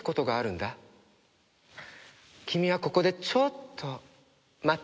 君はここでちょっと待ってて。